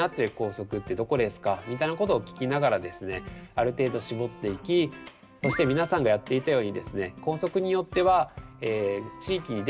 ある程度絞っていきそして皆さんがやっていたようにですね